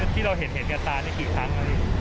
ที่เราเห็นเหตุกรณีเกษตรนี้กี่ครั้งว่ามี